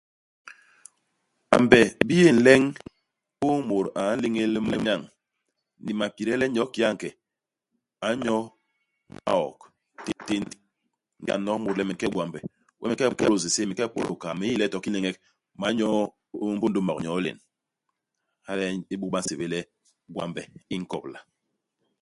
Gwambe bi yé nleñ u mut a nléñél manyañ, ni mapide le nyoo kiki a nke, a nyo maok, téntén. Ingéda u n'nok mut le me nke i gwambe, wee me nke ipôdôs isém me nke ipôdôs ikaa, me n'yi le to kii i galeñek, me ganyo mbôndô maok nyoo len. Hala nyen ibuk ba nsébél le gwambe, i nkobla.